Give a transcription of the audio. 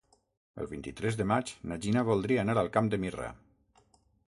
El vint-i-tres de maig na Gina voldria anar al Camp de Mirra.